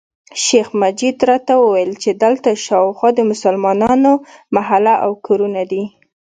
شیخ مجید راته وویل چې دلته شاوخوا د مسلمانانو محله او کورونه دي.